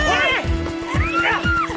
weh iblos jangan keluar